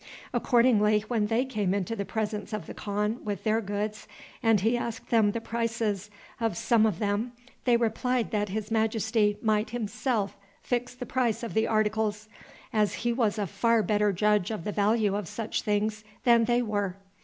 Accordingly, when they came into the presence of the khan with their goods, and he asked them the prices of some of them, they replied that his majesty might himself fix the price of the articles, as he was a far better judge of the value of such things than they were.